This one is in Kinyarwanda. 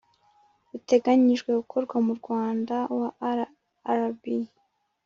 Buteganijwe gukorwa mu mwaka wa rrb